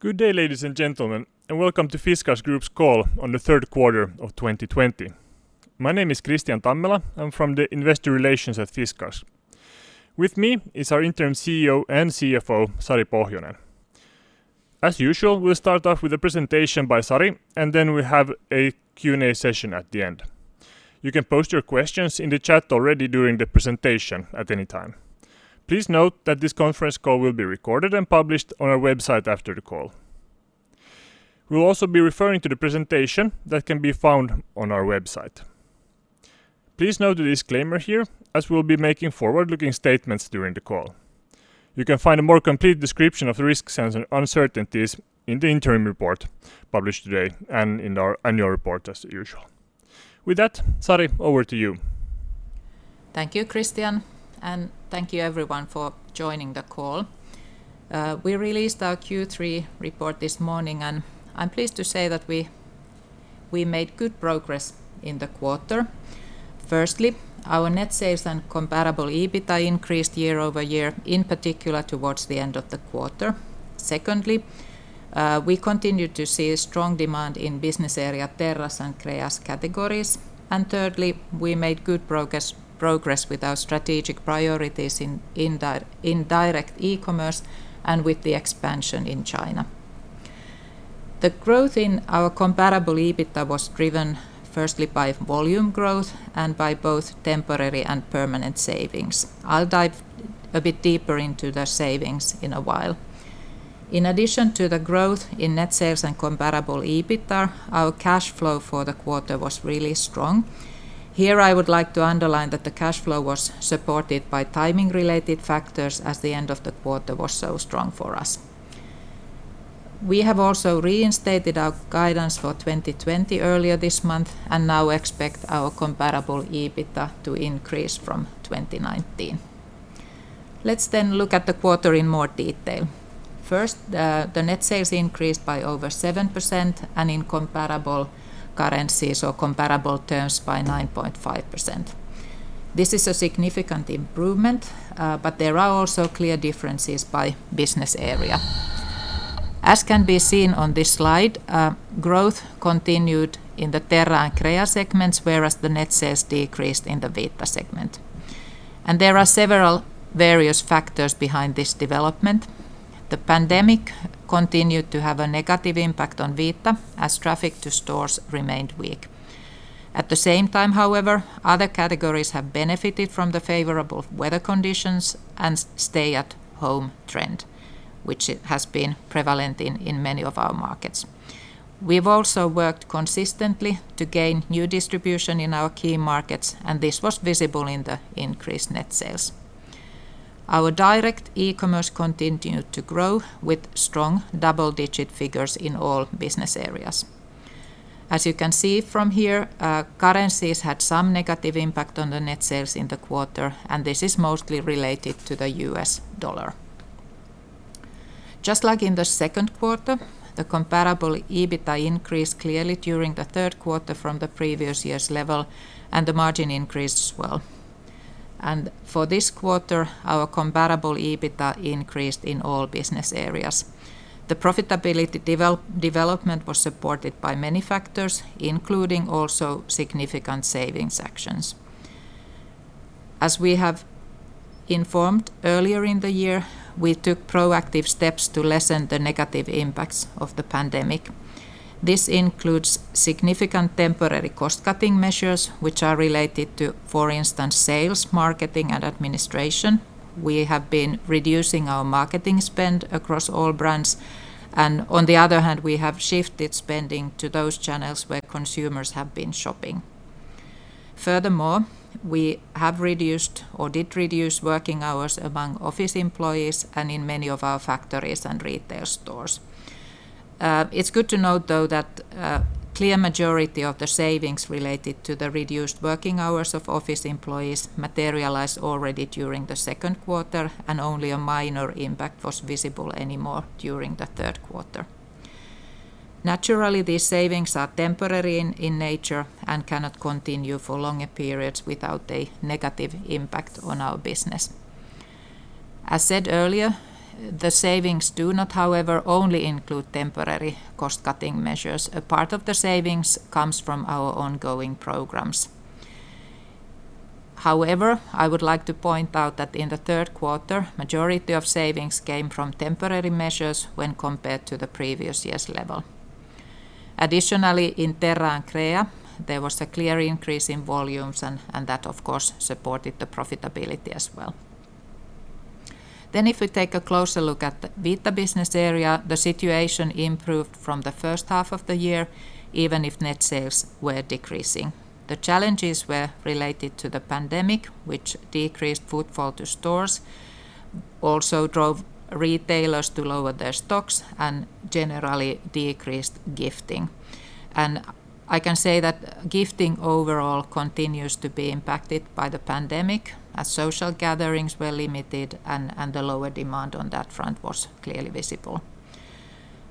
Good day, ladies and gentlemen, welcome to Fiskars Group's call on the third quarter of 2020. My name is Kristian Tammela. I'm from the investor relations at Fiskars. With me is our Interim CEO and CFO, Sari Pohjonen. As usual, we'll start off with a presentation by Sari, and then we have a Q&A session at the end. You can post your questions in the chat already during the presentation at any time. Please note that this conference call will be recorded and published on our website after the call. We'll also be referring to the presentation that can be found on our website. Please note the disclaimer here, as we'll be making forward-looking statements during the call. You can find a more complete description of the risks and uncertainties in the interim report published today and in our annual report, as usual. With that, Sari, over to you. Thank you, Kristian, and thank you, everyone, for joining the call. We released our Q3 report this morning, and I'm pleased to say that we made good progress in the quarter. Firstly, our net sales and comparable EBITDA increased year-over-year, in particular towards the end of the quarter. Secondly, we continued to see strong demand in business area Terra and Crea's categories. Thirdly, we made good progress with our strategic priorities in direct e-commerce and with the expansion in China. The growth in our comparable EBITDA was driven firstly by volume growth and by both temporary and permanent savings. I'll dive a bit deeper into the savings in a while. In addition to the growth in net sales and comparable EBITDA, our cash flow for the quarter was really strong. Here I would like to underline that the cash flow was supported by timing-related factors as the end of the quarter was so strong for us. We have also reinstated our guidance for 2020 earlier this month and now expect our comparable EBITDA to increase from 2019. Let's look at the quarter in more detail. First, the net sales increased by over 7% and in comparable currencies or comparable terms by 9.5%. This is a significant improvement. There are also clear differences by business area. As can be seen on this slide, growth continued in the Terra and Crea segments, whereas the net sales decreased in the Vita segment. There are several various factors behind this development. The pandemic continued to have a negative impact on Vita as traffic to stores remained weak. At the same time, however, other categories have benefited from the favorable weather conditions and stay-at-home trend, which has been prevalent in many of our markets. We've also worked consistently to gain new distribution in our key markets, and this was visible in the increased net sales. Our direct e-commerce continued to grow with strong double-digit figures in all business areas. As you can see from here, currencies had some negative impact on the net sales in the quarter, and this is mostly related to the US dollar. Just like in the second quarter, the comparable EBITDA increased clearly during the third quarter from the previous year's level, and the margin increased as well. For this quarter, our comparable EBITDA increased in all business areas. The profitability development was supported by many factors, including also significant savings actions. As we have informed earlier in the year, we took proactive steps to lessen the negative impacts of the pandemic. This includes significant temporary cost-cutting measures, which are related to, for instance, sales, marketing, and administration. We have been reducing our marketing spend across all brands, and on the other hand, we have shifted spending to those channels where consumers have been shopping. Furthermore, we have reduced or did reduce working hours among office employees and in many of our factories and retail stores. It's good to note, though, that a clear majority of the savings related to the reduced working hours of office employees materialized already during the second quarter, and only a minor impact was visible anymore during the third quarter. Naturally, these savings are temporary in nature and cannot continue for longer periods without a negative impact on our business. As said earlier, the savings do not, however, only include temporary cost-cutting measures. A part of the savings comes from our ongoing programs. I would like to point out that in the third quarter, the majority of savings came from temporary measures when compared to the previous year's level. In Terra and Crea, there was a clear increase in volumes, and that of course supported the profitability as well. If we take a closer look at the Vita business area, the situation improved from the first half of the year, even if net sales were decreasing. The challenges were related to the pandemic, which decreased footfall to stores, also drove retailers to lower their stocks, and generally decreased gifting. I can say that gifting overall continues to be impacted by the pandemic, as social gatherings were limited, and the lower demand on that front was clearly visible.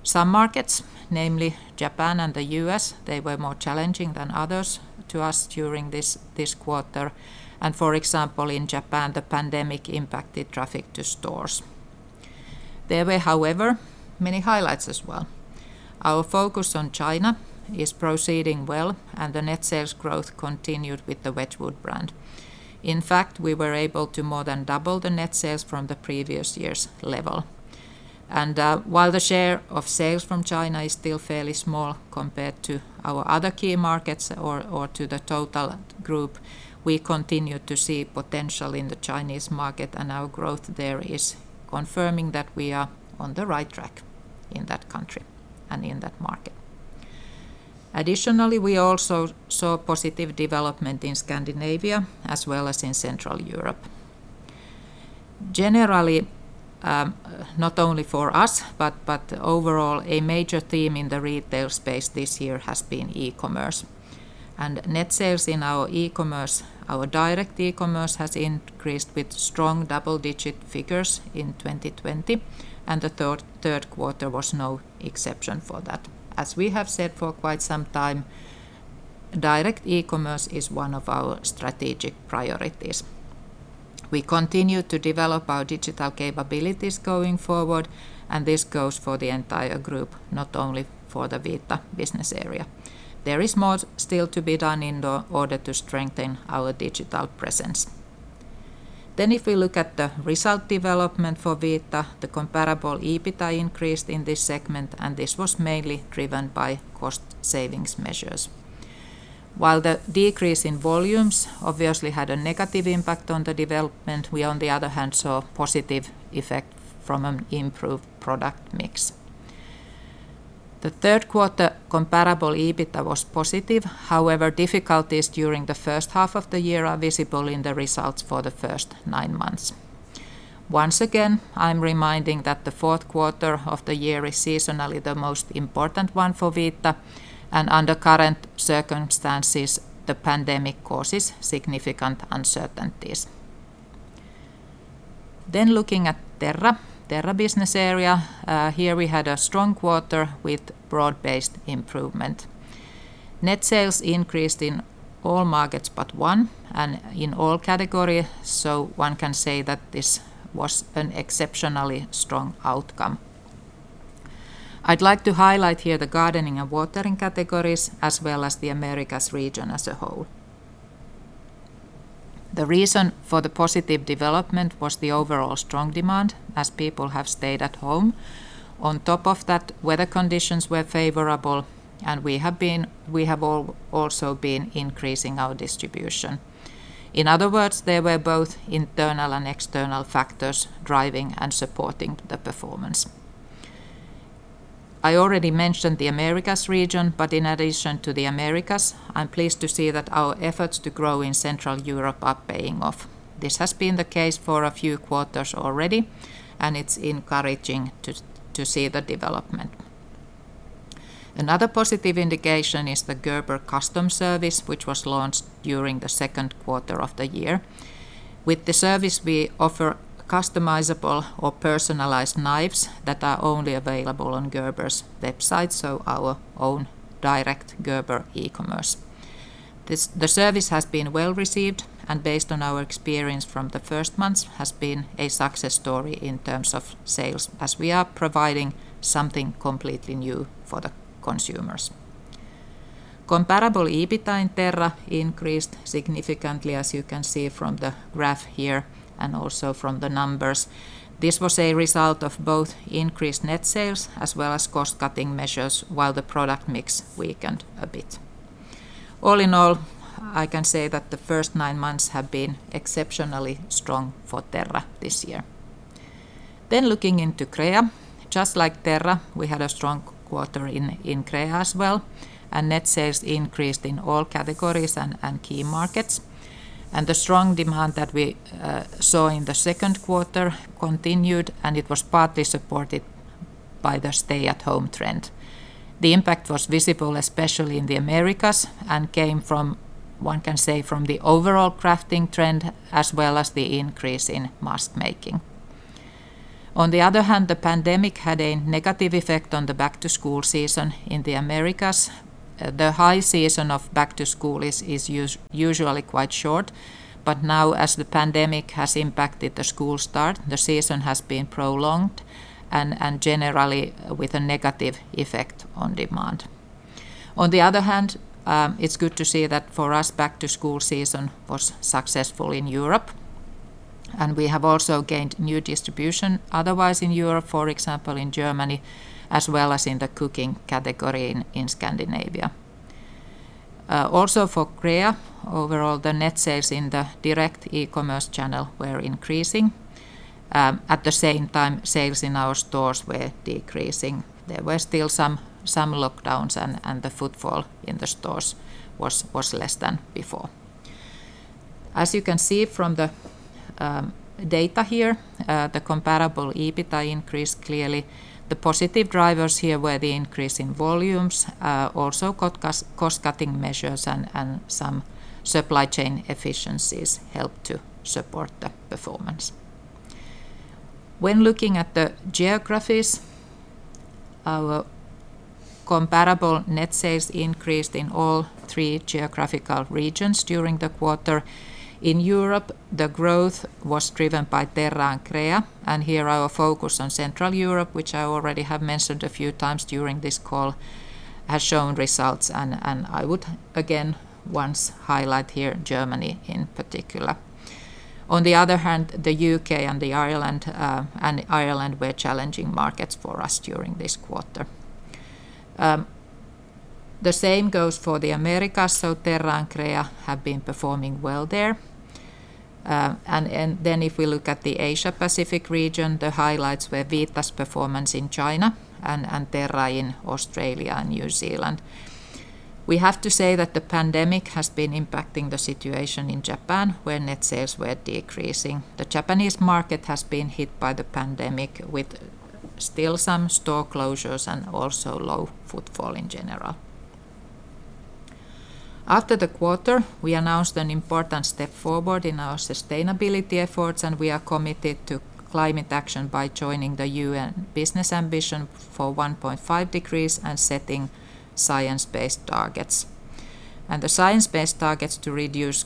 Some markets, namely Japan and the U.S., were more challenging than others to us during this quarter. For example, in Japan, the pandemic impacted traffic to stores. There were, however, many highlights as well. Our focus on China is proceeding well, and the net sales growth continued with the Wedgwood brand. In fact, we were able to more than double the net sales from the previous year's level. While the share of sales from China is still fairly small compared to our other key markets or to the total Group, we continue to see potential in the Chinese market, and our growth there is confirming that we are on the right track in that country and in that market. Additionally, we also saw positive development in Scandinavia as well as in Central Europe. Generally, not only for us but overall, a major theme in the retail space this year has been e-commerce, and net sales in our direct e-commerce have increased with strong double-digit figures in 2020, and the third quarter was no exception for that. As we have said for quite some time, direct e-commerce is one of our strategic priorities. We continue to develop our digital capabilities going forward, and this goes for the entire group, not only for the Vita business area. There is more still to be done in order to strengthen our digital presence. If we look at the result development for Vita, the comparable EBITDA increased in this segment, and this was mainly driven by cost savings measures. While the decrease in volumes obviously had a negative impact on the development, we, on the other hand, saw a positive effect from an improved product mix. The third-quarter comparable EBITDA was positive. Difficulties during the first half of the year are visible in the results for the first nine months. Once again, I'm reminding you that the fourth quarter of the year is seasonally the most important one for Vita. Under current circumstances, the pandemic causes significant uncertainties. Looking at Terra Business Area, here we had a strong quarter with broad-based improvement. Net sales increased in all markets but one and in all categories. One can say that this was an exceptionally strong outcome. I'd like to highlight here the gardening and watering categories, as well as the Americas region as a whole. The reason for the positive development was the overall strong demand as people have stayed at home. On top of that, weather conditions were favorable, and we have also been increasing our distribution. In other words, there were both internal and external factors driving and supporting the performance. I already mentioned the Americas region, but in addition to the Americas, I'm pleased to see that our efforts to grow in Central Europe are paying off. This has been the case for a few quarters already, and it's encouraging to see the development. Another positive indication is the Gerber custom service, which was launched during the second quarter of the year. With the service, we offer customizable or personalized knives that are only available on Gerber's website, so our own direct Gerber e-commerce. The service has been well-received, and based on our experience from the first months, it has been a success story in terms of sales, as we are providing something completely new for the consumers. Comparable EBITDA in Terra increased significantly, as you can see from the graph here, also from the numbers. This was a result of both increased net sales as well as cost-cutting measures, while the product mix weakened a bit. All in all, I can say that the first nine months have been exceptionally strong for Terra this year. Looking into Crea, just like Terra, we had a strong quarter in Crea as well. Net sales increased in all categories and key markets. The strong demand that we saw in the second quarter continued, and it was partly supported by the stay-at-home trend. The impact was visible, especially in the Americas, and came from, one can say, the overall crafting trend as well as the increase in mask making. On the other hand, the pandemic had a negative effect on the back-to-school season in the Americas. The high season of back to school is usually quite short, but now, as the pandemic has impacted the school start, the season has been prolonged and generally has a negative effect on demand. On the other hand, it's good to see that for us, back-to-school season was successful in Europe, and we have also gained new distribution otherwise in Europe, for example, in Germany as well as in the cooking category in Scandinavia. Also for Crea, overall, the net sales in the direct e-commerce channel were increasing. At the same time, sales in our stores were decreasing. There were still some lockdowns, and the footfall in the stores was less than before. As you can see from the data here, the comparable EBITDA increased clearly. The positive drivers here were the increase in volumes. Cost-cutting measures and some supply chain efficiencies helped to support the performance. When looking at the geographies, our comparable net sales increased in all three geographical regions during the quarter. In Europe, the growth was driven by Terra and Crea. Here our focus on Central Europe, which I already have mentioned a few times during this call, has shown results, and I would, again, like to highlight here Germany in particular. On the other hand, the U.K. and Ireland were challenging markets for us during this quarter. The same goes for the Americas, so Terra and Crea have been performing well there. If we look at the Asia Pacific region, the highlights were Vita's performance in China and Terra in Australia and New Zealand. We have to say that the pandemic has been impacting the situation in Japan, where net sales were decreasing. The Japanese market has been hit by the pandemic, with still some store closures and also low footfall in general. After the quarter, we announced an important step forward in our sustainability efforts, we are committed to climate action by joining the Business Ambition for 1.5°C and setting science-based targets. The science-based targets to reduce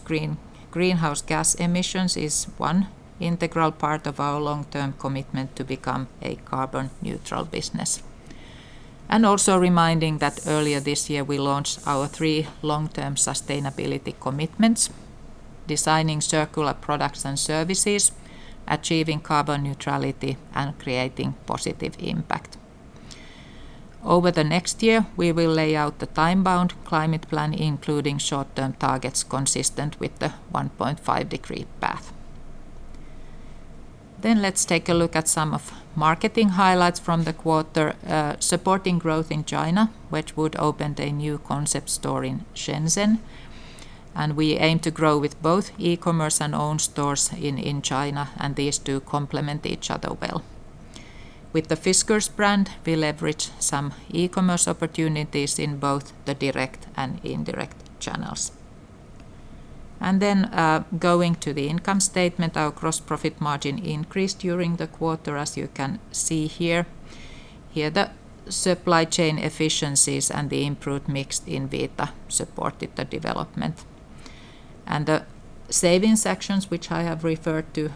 greenhouse gas emissions are one integral part of our long-term commitment to become a carbon-neutral business. Also reminding that earlier this year, we launched our three long-term sustainability commitments: designing circular products and services, achieving carbon neutrality, and creating positive impact. Over the next year, we will lay out the time-bound climate plan, including short-term targets consistent with the 1.5°C path. Let's take a look at some of the marketing highlights from the quarter. Supporting growth in China, Wedgwood opened a new concept store in Shenzhen, we aim to grow with both e-commerce and our own stores in China; these two complement each other well. With the Fiskars brand, we leverage some e-commerce opportunities in both the direct and indirect channels. Going to the income statement, our gross profit margin increased during the quarter, as you can see here. Here the supply chain efficiencies and the improved mix in Vita supported the development. The savings actions, which I have referred to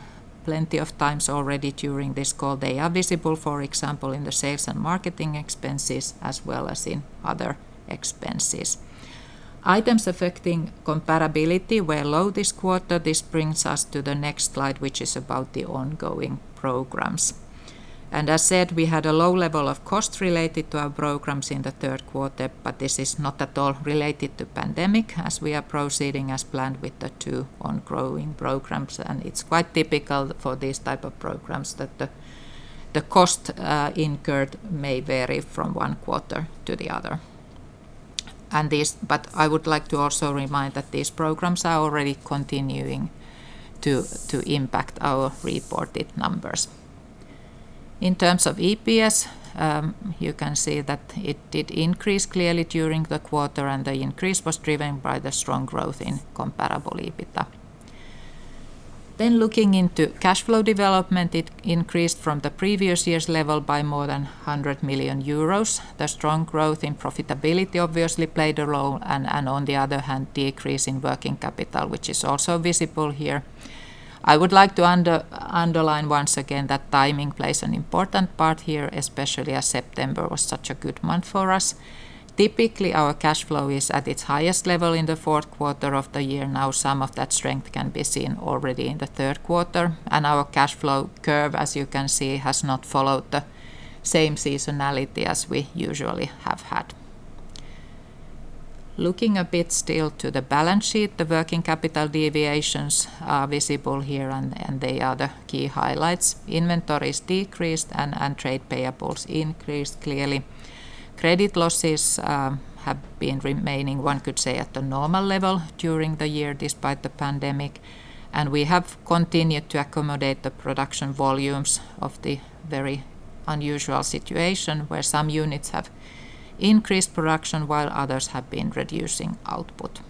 plenty of times already during this call, are visible, for example, in the sales and marketing expenses as well as in other expenses. Items affecting comparability were low this quarter. This brings us to the next slide, which is about the ongoing programs. As said, we had a low level of cost related to our programs in the third quarter; this is not at all related to the pandemic, as we are proceeding as planned with the two ongoing programs. It's quite typical for these types of programs that the cost incurred may vary from one quarter to the other. I would also like to remind you that these programs are already continuing to impact our reported numbers. In terms of EPS, you can see that it did increase clearly during the quarter, and the increase was driven by the strong growth in comparable EBITDA. Looking into cash flow development, it increased from the previous year's level by more than 100 million euros. The strong growth in profitability obviously played a role, and on the other hand, the decrease in working capital, which is also visible here. I would like to underline once again that timing plays an important part here, especially as September was such a good month for us. Typically, our cash flow is at its highest level in the fourth quarter of the year. Now some of that strength can be seen already in the third quarter, and our cash flow curve, as you can see, has not followed the same seasonality as we usually have had. Looking a bit still at the balance sheet, the working capital deviations are visible here, and they are the key highlights. Inventories decreased and trade payables increased clearly. Credit losses have been remaining, one could say, at the normal level during the year despite the pandemic. We have continued to accommodate the production volumes of the very unusual situation where some units have increased production while others have been reducing output.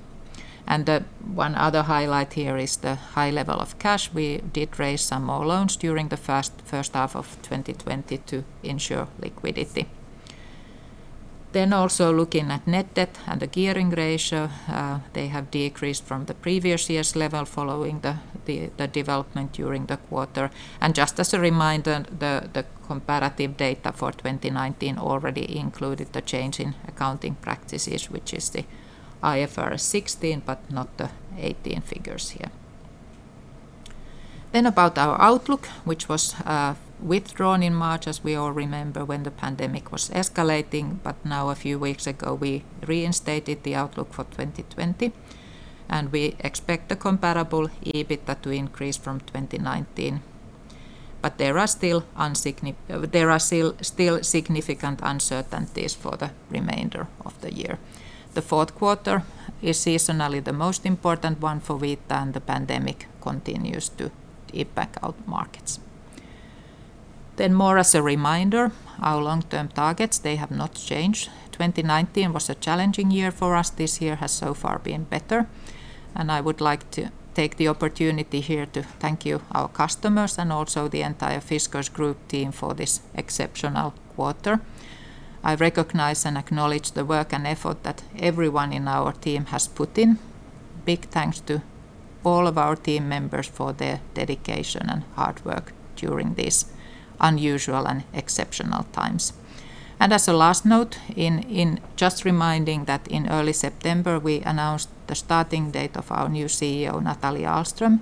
One other highlight here is the high level of cash. We did raise some more loans during the first half of 2020 to ensure liquidity. Also looking at net debt and the gearing ratio, they have decreased from the previous year's level following the development during the quarter. Just as a reminder, the comparative data for 2019 already included the change in accounting practices, which is the IFRS 16, but not the 18 figures here. About our outlook, which was withdrawn in March, as we all remember when the pandemic was escalating. Now a few weeks ago, we reinstated the outlook for 2020, and we expect the comparable EBITDA to increase from 2019. There are still significant uncertainties for the remainder of the year. The fourth quarter is seasonally the most important one for Vita, and the pandemic continues to impact our markets. More as a reminder, our long-term targets have not changed. 2019 was a challenging year for us. This year has so far been better, and I would like to take the opportunity here to thank our customers and also the entire Fiskars Group team for this exceptional quarter. I recognize and acknowledge the work and effort that everyone in our team has put in. Big thanks to all of our team members for their dedication and hard work during these unusual and exceptional times. As a last note, just a reminder that in early September, we announced the starting date of our new CEO, Nathalie Ahlström,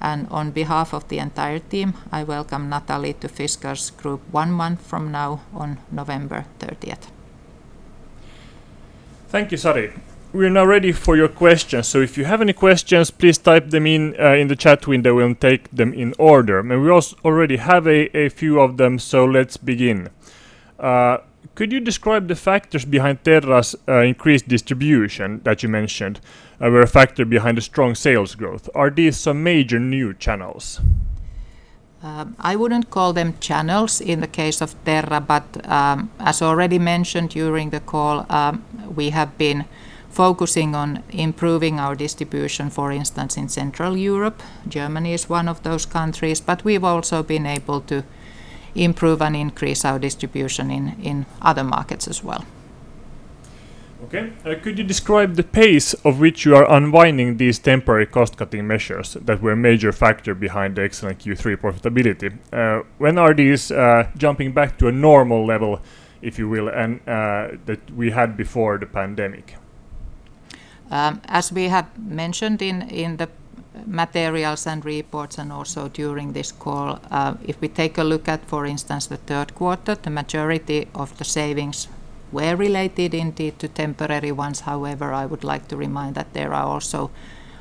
and on behalf of the entire team, I welcome Nathalie to Fiskars Group one month from now on November 30th. Thank you, Sari. We are now ready for your questions, so if you have any questions, please type them in the chat window and we'll take them in order. We already have a few of them, so let's begin. Could you describe the factors behind Terra's increased distribution that you mentioned were a factor behind the strong sales growth? Are these some major new channels? I wouldn't call them channels in the case of Terra, but as already mentioned during the call, we have been focusing on improving our distribution, for instance, in Central Europe. Germany is one of those countries, but we've also been able to improve and increase our distribution in other markets as well. Okay. Could you describe the pace at which you are unwinding these temporary cost-cutting measures that were a major factor behind the excellent Q3 profitability? When are these jumping back to a normal level, if you will, that we had before the pandemic? As we have mentioned in the materials and reports and also during this call, if we take a look at, for instance, the third quarter, the majority of the savings were related indeed to temporary ones. However, I would like to remind you that there are also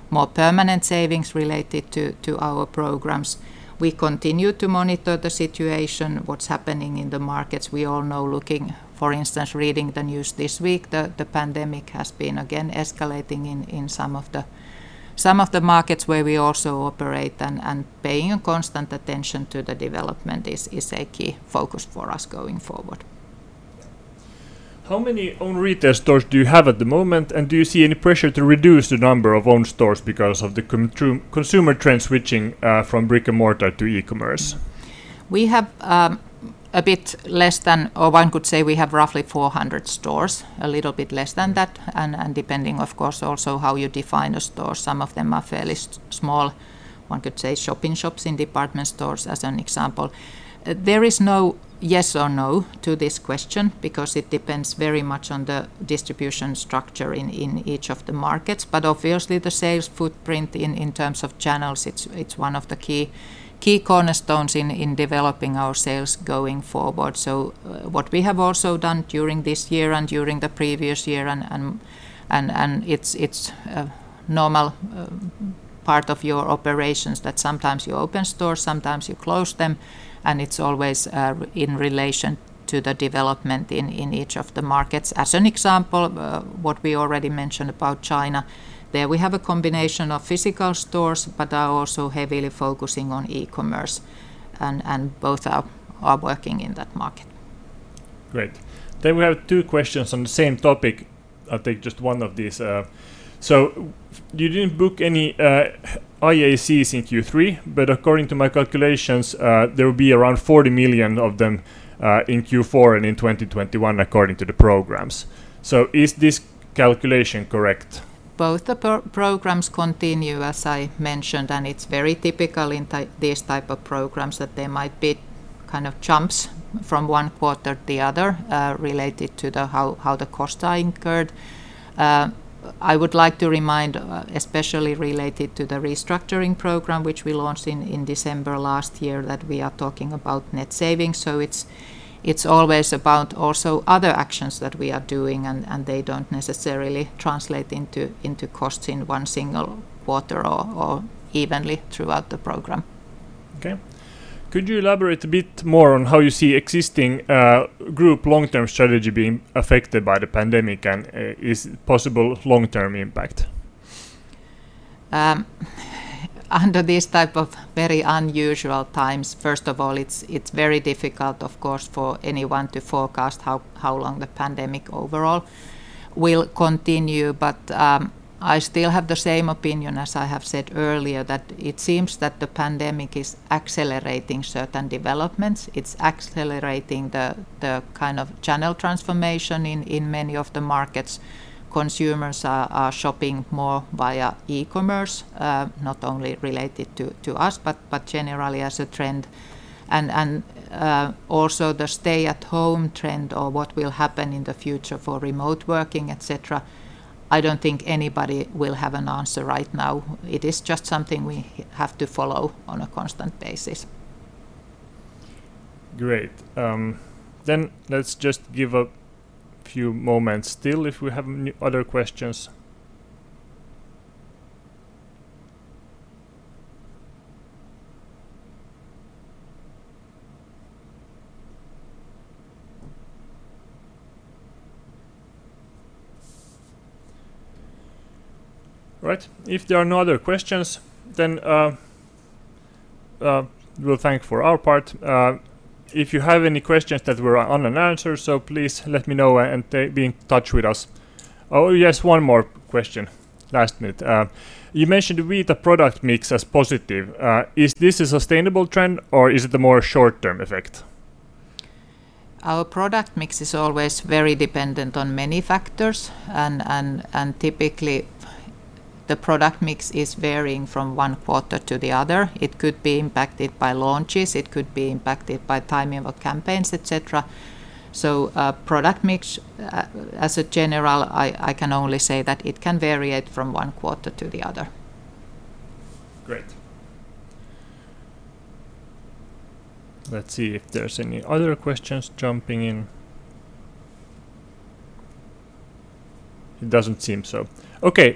more permanent savings related to our programs. We continue to monitor the situation and what's happening in the markets. We all know, for instance, reading the news this week, the pandemic has been, again, escalating in some of the markets where we also operate, and paying constant attention to the development is a key focus for us going forward. How many own retail stores do you have at the moment, and do you see any pressure to reduce the number of own stores because of the consumer trend switching from brick-and-mortar to e-commerce? We have a bit less than, or one could say we have roughly 400 stores, a little bit less than that, and depending, of course, also how you define a store. Some of them are fairly small, one could say shop-in-shops in department stores, as an example. There is no yes or no to this question because it depends very much on the distribution structure in each of the markets. Obviously, the sales footprint in terms of channels is one of the key cornerstones in developing our sales going forward. What we have also done during this year and during the previous year, and it's a normal part of your operations, is that sometimes you open stores, sometimes you close them, and it's always in relation to the development in each of the markets. As an example, what we already mentioned about China, there we have a combination of physical stores, but are also heavily focusing on e-commerce, and both are working in that market. Great. We have two questions on the same topic. I'll take just one of these. You didn't book any IACs in Q3, but according to my calculations, there will be around 40 million of them in Q4 and in 2021, according to the programs. Is this calculation correct? Both the programs continue, as I mentioned. It's very typical in these type of programs that there might be jumps from one quarter to the other related to how the costs are incurred. I would like to remind you, especially related to the restructuring program that we launched in December last year, that we are talking about net savings. It's always about other actions that we are doing, too. They don't necessarily translate into costs in one single quarter or evenly throughout the program. Okay. Could you elaborate a bit more on how you see the existing group's long-term strategy being affected by the pandemic and its possible long-term impact? Under this type of very unusual times, first of all, it's very difficult, of course, for anyone to forecast how long the pandemic overall will continue. I still have the same opinion as I have said earlier, that it seems that the pandemic is accelerating certain developments. It's accelerating the kind of channel transformation in many of the markets. Consumers are shopping more via e-commerce, not only related to us, but generally as a trend. Also the stay-at-home trend or what will happen in the future for remote working, et cetera, I don't think anybody will have an answer right now. It is just something we have to follow on a constant basis. Great. Let's just give a few moments still if we have any other questions. Right. If there are no other questions, we'll thank you for our part. If you have any questions that were unanswered, please let me know and be in touch with us. Yes, one more question, last minute. You mentioned Vita product mix as positive. Is this a sustainable trend, or is it a more short-term effect? Our product mix is always very dependent on many factors. Typically, the product mix is varying from one quarter to the other. It could be impacted by launches, it could be impacted by the timing of campaigns, et cetera. Product mix, as a general rule, I can only say that it can vary from one quarter to the other. Great. Let's see if there are any other questions jumping in. It doesn't seem so. Okay,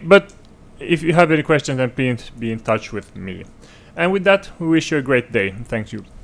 if you have any questions, then be in touch with me. With that, we wish you a great day. Thank you.